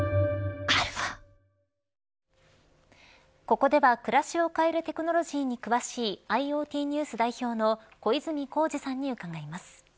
ここでは暮らしを変えるテクノロジーに詳しいＩｏＴＮＥＷＳ代表の小泉耕二さんに伺います。